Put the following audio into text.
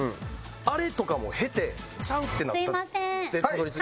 あれとかも経てちゃうってなった。